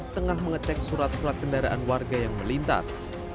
tengah mengecek surat surat kendaraan warga yang melintas